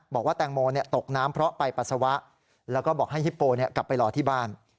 บอกว่าแตงโมตกน้ำเพราะไปปัสสาวะแล้วก็บอกให้ฮิปโปกลับไปรอที่บ้าน